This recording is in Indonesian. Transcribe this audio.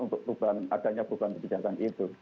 untuk perubahan adanya perubahan kebijakan itu